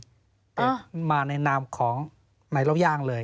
แต่มาในนามของไหนเล่าย่างเลย